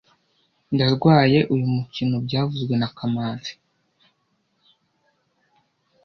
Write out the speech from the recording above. Ndarwaye uyu mukino byavuzwe na kamanzi